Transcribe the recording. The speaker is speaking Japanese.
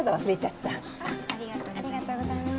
ありがとうございます。